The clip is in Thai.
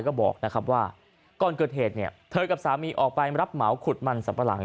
ก็บอกนะครับว่าก่อนเกิดเหตุเนี่ยเธอกับสามีออกไปรับเหมาขุดมันสัมปะหลัง